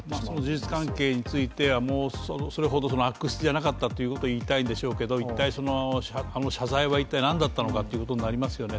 事実関係についてはそれほど悪質じゃなかったということをいいたいんですけど、一体謝罪は何だったのかということになりますよね。